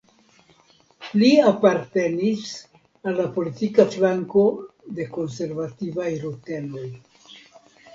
Li apartenis al la politika flanko de konservativaj rutenoj.